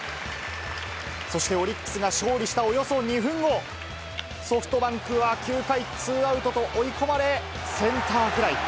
そしてオリックスが勝利したおよそ２分後、ソフトバンクは９回ツーアウトと追い込まれ、センターフライ。